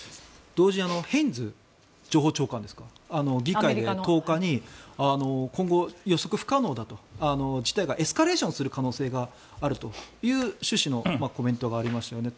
同時にヘインズ情報長官ですか議会で１０日に今後、予測不可能だと事態がエスカレーションする可能性があるという趣旨のコメントがありましたよね。